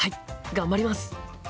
頑張ります。